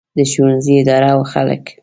د ښوونځي اداره او خلک.